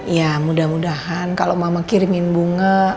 ya mudah mudahan kalau mama kirimin bunga